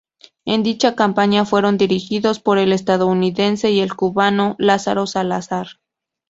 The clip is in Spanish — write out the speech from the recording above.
En dicha campaña fueron dirigidos por el estadounidense y el cubano Lázaro Salazar.